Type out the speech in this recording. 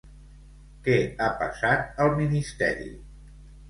Què ha passat al Ministeri?